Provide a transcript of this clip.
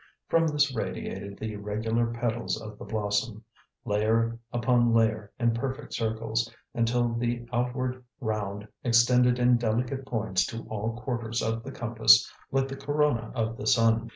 From this radiated the regular petals of the blossom, layer upon layer in perfect circles, until the outward round extended in delicate points to all quarters of the compass like the corona of the sun.